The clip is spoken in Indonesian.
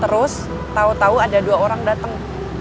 terus tau tau ada dua orang dateng